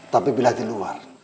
tapi bila di luar